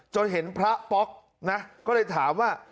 จนเห็นพระป๊อกนะก็เลยถามว่า